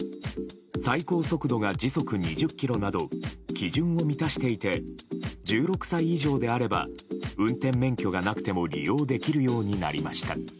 最高速度が時速２０キロなど基準を満たしていて１６歳以上であれば運転免許がなくても利用できるようになりました。